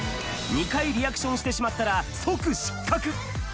２回リアクションしてしまったら即失格。